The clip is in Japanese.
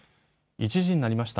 １時になりました。